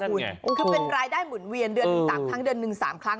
คือเป็นรายได้หมุนเวียนเดือนหนึ่ง๓ครั้ง